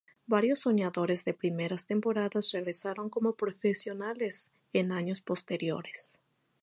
Varios soñadores de primeras temporadas regresaron como profesionales en años posteriores.